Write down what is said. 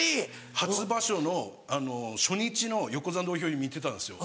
初場所の初日の横綱の土俵入り見てたんですよ。